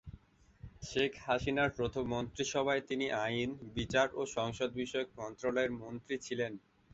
শেখ হাসিনার প্রথম মন্ত্রিসভায় তিনি আইন, বিচার ও সংসদ বিষয়ক মন্ত্রণালয়ের মন্ত্রী ছিলেন।